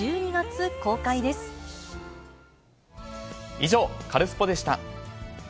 以上、カルスポっ！でした。